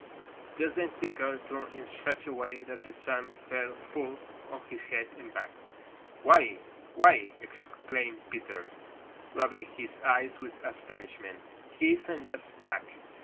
Just then Creaker turned in such a way that the sun fell full on his head and back. "Why! Why ee!" exclaimed Peter, rubbing his eyes with astonishment. "He isn't just black!